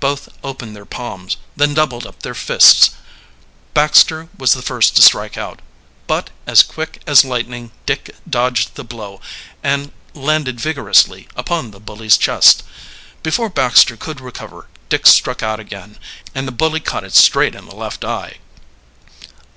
Both opened their palms, then doubled up their fists. Baxter was the first to strike out. But, as quick as lightning, Dick dodged the blow and landed vigorously upon the bully's chest. Before Baxter could recover, Dick struck out again, and the bully caught it straight in the left eye.